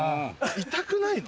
痛くないの？